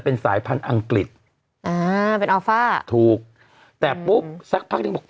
เป็นสายพันธุ์อังกฤษอ่าเป็นอัลฟ่าถูกแต่ปุ๊บสักพักหนึ่งบอก